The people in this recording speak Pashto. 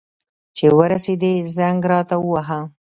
چي ورسېدې، زنګ راته ووهه.